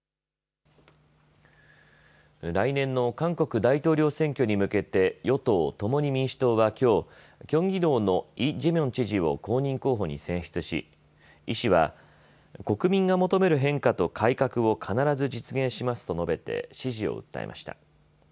来年の韓国大統領選挙に向けて与党共に民主党はきょう、キョンギ道のイ・ジェミョン知事を公認候補に選出し、イ氏は国民が求める変化と改革を必ず実現しますと述べて支持を訴えました。